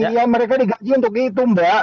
ya mereka digaji untuk itu mbak